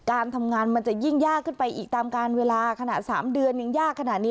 การทำงานมันจะยิ่งยากขึ้นไปอีกตามการเวลาขนาด๓เดือนยังยากขนาดนี้